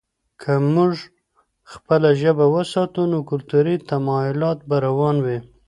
که موږ خپله ژبه وساتو، نو کلتوري تمایلات به روان وي.